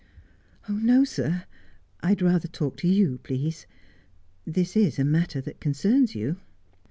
'No, sir. I'd rather talk to you, please. This is a matter that concerns you.'